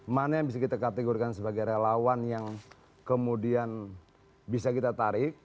mana yang bisa kita kategorikan sebagai relawan yang kemudian bisa kita tarik